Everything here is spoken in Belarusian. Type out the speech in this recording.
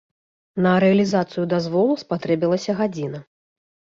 На рэалізацыю дазволу спатрэбілася гадзіна.